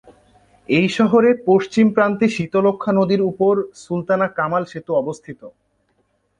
এ শহরের পশ্চিম প্রান্তে শীতলক্ষ্যা নদীর উপর সুলতানা কামাল সেতু অবস্থিত।